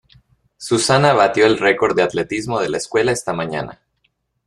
Susana batió el récord de atletismo de la escuela esta mañana.